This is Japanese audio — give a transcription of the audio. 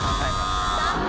残念。